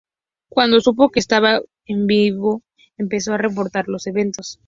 Cuando supo que estaba en vivo empezó a reportar los eventos.